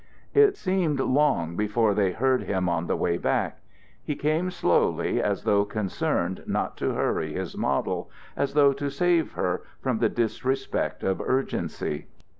It seemed long before they heard him on the way back. He came slowly, as though concerned not to hurry his model, as though to save her from the disrespect of urgency.